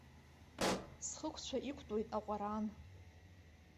Схықәцәа иқәтәоит аҟәраан.